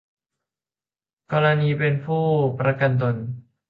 กรณีเป็นผู้ประกันตน